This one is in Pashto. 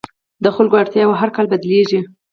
د خلکو اړتیاوې هر کال بدلېږي.